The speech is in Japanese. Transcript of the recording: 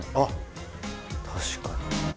確かに。